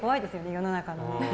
世の中の。